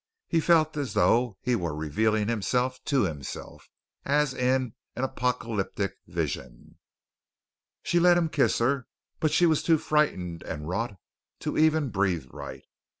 He felt as though he were revealing himself to himself as in an apocalyptic vision. She let him kiss her, but she was too frightened and wrought to even breathe right.